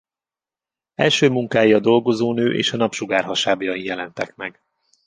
Első munkái a Dolgozó Nő és a Napsugár hasábjain jelentek meg.